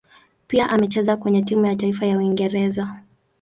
Pia amecheza kwenye timu ya taifa ya Uingereza.